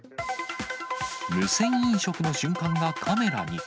無銭飲食の瞬間がカメラに。